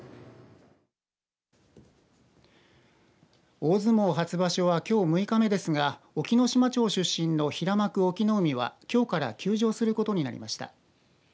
大相撲初場所はきょう６日目ですが隠岐の島町出身の平幕、隠岐の海はきょうから休場することになりました。